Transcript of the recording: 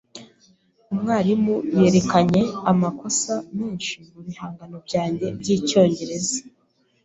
Umwarimu yerekanye amakosa menshi mubihimbano byanjye byicyongereza.